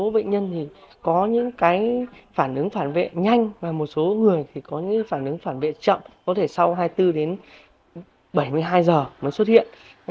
phản ứng phản vệ nhanh và một số người có những phản ứng phản vệ chậm có thể sau hai mươi bốn đến bảy mươi hai giờ mới xuất hiện